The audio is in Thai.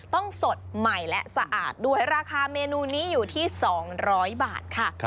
สดใหม่และสะอาดด้วยราคาเมนูนี้อยู่ที่๒๐๐บาทค่ะ